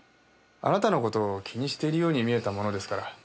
あなたの事を気にしているように見えたものですから。